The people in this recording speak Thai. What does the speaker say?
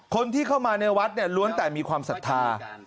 คนที่เข้ามาในวัดเนี่ยล้วนแต่มีความศรัทธา